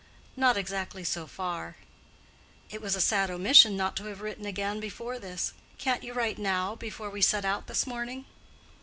"Not exactly so far." "It was a sad omission not to have written again before this. Can't you write now—before we set out this morning?"